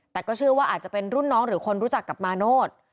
แต่ก็เชื่อว่าอาจจะเป็นรุ่นน้องหรือคนรู้จักกับมาโนธ